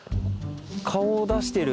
顔を出してる。